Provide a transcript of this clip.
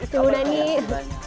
terima kasih banyak